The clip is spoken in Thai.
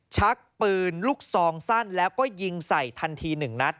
ชักปืนลูกซองสั้นแล้วก็ยิงใส่ทันทีหนึ่งนัด